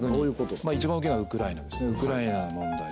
一番大きいのはウクライナですねウクライナの問題